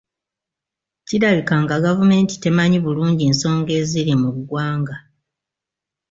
Kirabika nga gavumenti temanyi bulungi nsonga eziri mu ggwanga.